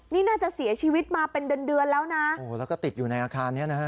นี่น่าจะเสียชีวิตมาเป็นเดือนเดือนแล้วนะโอ้แล้วก็ติดอยู่ในอาคารเนี้ยนะฮะ